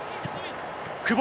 久保。